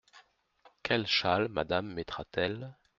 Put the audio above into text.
Quel châle Madame mettra-t-elle ?…